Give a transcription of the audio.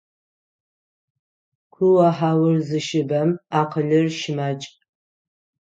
Куо-хьаур зыщыбэм акъылыр щымакӏ.